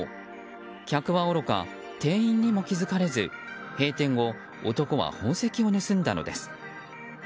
客はおろか、店員にも気づかれず閉店後、男は宝石を盗んだのです。